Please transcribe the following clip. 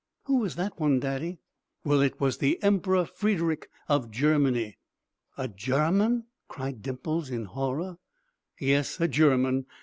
"Who was the one, Daddy?" "Well, it was the Emperor Frederick of Germany." "A Jarman!" cried Dimples, in horror. "Yes, a German.